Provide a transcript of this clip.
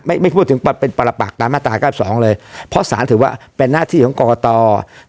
ไม่ไม่พูดถึงเป็นปรปักตามมาตราเก้าสองเลยเพราะสารถือว่าเป็นหน้าที่ของกรกต